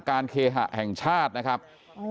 เคหะแห่งชาตินะครับ